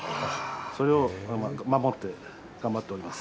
それを守って、頑張っております。